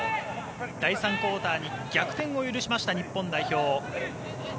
第３クオーターに逆転を許しました日本代表。